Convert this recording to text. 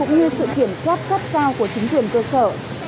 như sự kiểm soát sát sao của chính quyền cơ sở